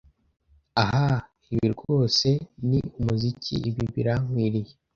Ah ibi rwose ni umuziki-ibi birankwiriye.